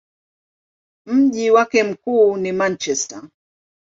Mji wake mkuu ni Manchester.